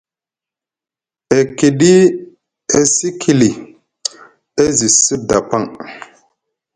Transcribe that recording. E kiɗi e cikili, e zi sda paŋ.